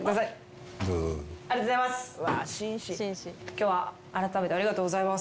今日はあらためてありがとうございます。